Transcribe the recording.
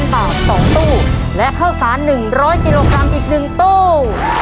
บาท๒ตู้และข้าวสาร๑๐๐กิโลกรัมอีก๑ตู้